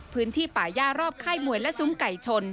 พื้นที่ป่าย่ารอบค่ายมวยและซุ้มไก่ชน